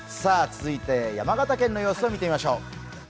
続いて、山形県の様子を見て見ましょう。